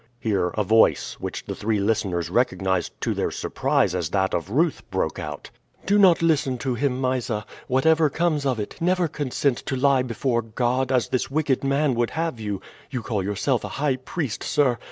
Here a voice, which the three listeners recognized to their surprise as that of Ruth, broke out: "Do not listen to him, Mysa. Whatever comes of it, never consent to lie before God, as this wicked man would have you. You call yourself a high priest, sir.